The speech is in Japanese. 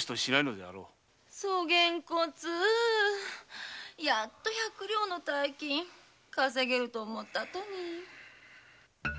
そげんこつやっと百両の大金稼げると思ったとに。